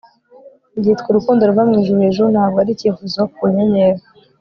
byitwa urukundo ruva mwijuru hejuru ntabwo ari icyifuzo ku nyenyeri